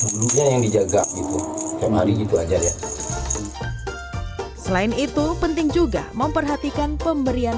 dulunya yang dijaga gitu tiap hari gitu aja ya selain itu penting juga memperhatikan pemberian